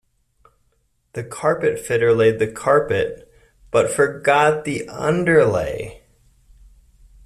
The carpet fitter laid the carpet, but forgot the underlay